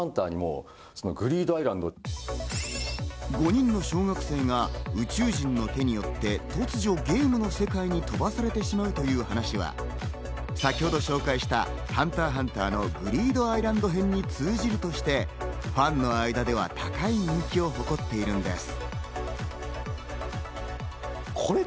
５人の小学生が宇宙人の手によって突如、ゲームの世界に飛ばされてしまうという話は先程紹介した『ＨＵＮＴＥＲ×ＨＵＮＴＥＲ』のグリードアイランド編に通じるとして、ファンの間では高い人気を誇っているのです。